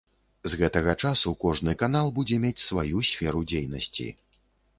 З гэтага часу кожны канал будзе мець сваю сферу дзейнасці.